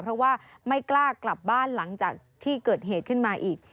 เพราะว่าไม่กล้ากลับบ้านหลังจากที่เกิดเหตุขึ้นมาอีก